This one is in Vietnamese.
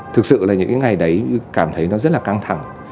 thực sự là những cái ngày đấy cảm thấy nó rất là căng thẳng